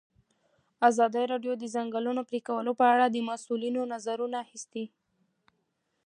ازادي راډیو د د ځنګلونو پرېکول په اړه د مسؤلینو نظرونه اخیستي.